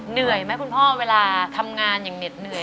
เหนื่อยไหมคุณพ่อเวลาทำงานอย่างเหน็ดเหนื่อย